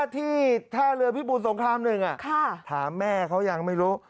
ที่ท่าเรือพิบูรสงคราม๑ถามแม่เขายังไม่รู้